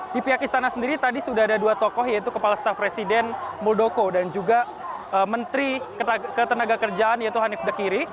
di pihak istana sendiri tadi sudah ada dua tokoh yaitu kepala staf presiden muldoko dan juga menteri ketenaga kerjaan yaitu hanif dekiri